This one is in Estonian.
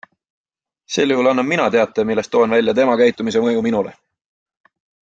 Sel juhul annan mina teate, milles toon välja tema käitumise mõju minule.